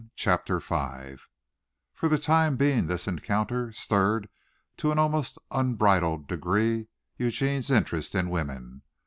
CHAPTER V For the time being this encounter stirred to an almost unbridled degree Eugene's interest in women.